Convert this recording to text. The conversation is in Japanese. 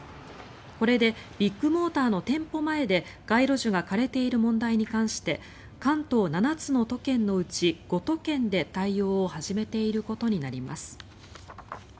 これでビッグモーターの店舗前で街路樹が枯れている問題に関して関東７つの都県のうち５都県で対応を始めていることになります。